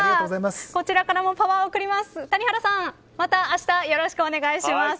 こちらからもパワーを送ります。